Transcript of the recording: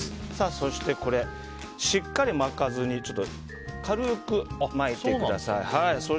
そしてこれ、しっかり巻かずに軽く巻いてください。